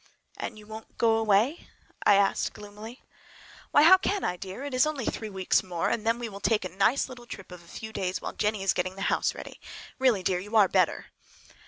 "And you won't go away?" I asked gloomily. "Why, how can I, dear? It is only three weeks more and then we will take a nice little trip of a few days while Jennie is getting the house ready. Really, dear, you are better!"